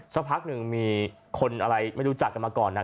สักพักหนึ่งมีคนอะไรไม่รู้จักกันมาก่อนนะ